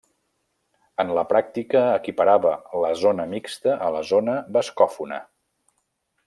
En la pràctica equiparava la zona mixta a la zona bascòfona.